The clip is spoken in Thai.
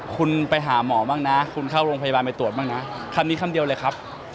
คุณไปหาหมอบ้างนะคุณเข้าโรงพยาบาลไปตรวจบ้างนะคำนี้คำเดียวเลยครับ